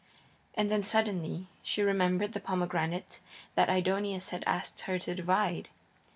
And then, suddenly, she remembered the pomegranate that Aidoneus had asked her to divide.